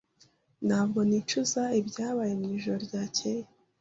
Ntabwo nicuza ibyabaye mwijoro ryakeye.